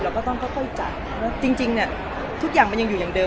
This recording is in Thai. ก็ต้องค่อยจ่ายเพราะจริงเนี่ยทุกอย่างมันยังอยู่อย่างเดิ